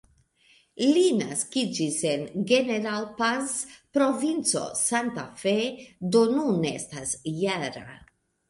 Li naskiĝis en "General Paz", provinco Santa Fe, do nun estas -jara.